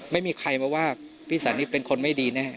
ไม่มีใครมาว่าพี่สันนี่เป็นคนไม่ดีแน่